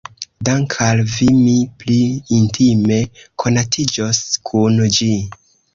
Dank' al vi mi pli intime konatiĝos kun ĝi.